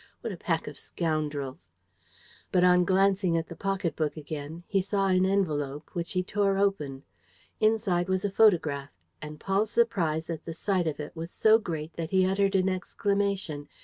... What a pack of scoundrels!" But, on glancing at the pocket book again, he saw an envelope which he tore open. Inside was a photograph; and Paul's surprise at the sight of it was so great that he uttered an exclamation.